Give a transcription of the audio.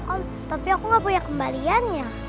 oh tapi aku gak punya kembaliannya